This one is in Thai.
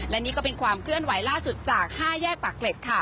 และนี่ก็เป็นความเคลื่อนไหวล่าสุดจาก๕แยกปากเกร็ดค่ะ